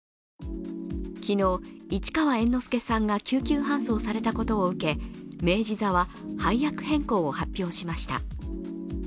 昨日、市川猿之助さんが救急搬送されたことを受け、明治座は配役変更を発表しました。